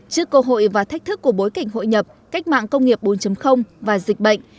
trước cơ hội và thách thức của bối cảnh hội nhập cách mạng công nghiệp bốn và dịch bệnh